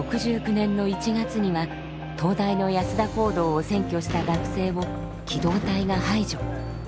１９６９年の１月には東大の安田講堂を占拠した学生を機動隊が排除。